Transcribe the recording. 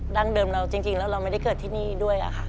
เดิมเราจริงแล้วเราไม่ได้เกิดที่นี่ด้วยค่ะ